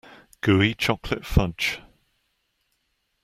Gooey chocolate fudge.